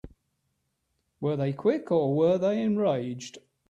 Were they quick or were they enraged?